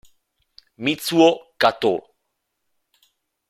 Mitsuo Katō